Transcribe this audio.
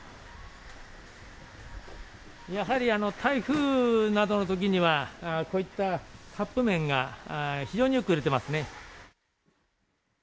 やはり台風などのときには、こういったカップ麺が非常によく売れてますね。